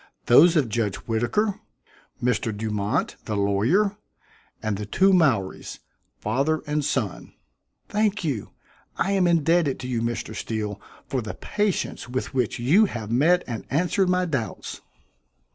Those of Judge Whittaker, Mr. Dumont, the lawyer, and the two Mowries, father and son." "Thank you. I am indebted to you, Mr. Steele, for the patience with which you have met and answered my doubts."